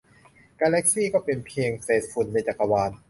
กาแลกซี่ก็เป็นเพียงเศษฝุ่นในจักรวาล